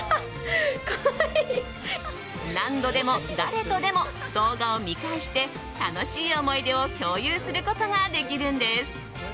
何度でも、誰とでも動画を見返して楽しい思い出を共有することができるんです。